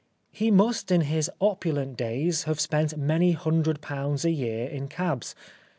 He must, in his opulent days, have spent many hundred pounds a year in cabs.